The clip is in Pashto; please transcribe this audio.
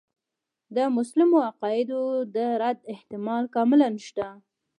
د مسلمو عقایدو د رد احتمال کاملاً شته.